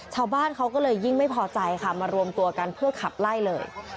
ชาวบ้านเขาก็เลยยิ่งไม่พอใจค่ะมารวมตัวกันเพื่อขับไล่เลย